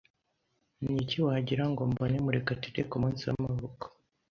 Niki wagira ngo mbone Murekatete kumunsi w'amavuko?